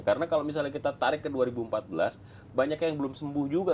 karena kalau misalnya kita tarik ke dua ribu empat belas banyak yang belum sembuh juga